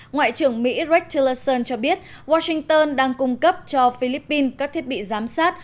ngoại trưởng mỹ rex tillerson cho biết washington đang cung cấp cho philippines các thiết bị giám sát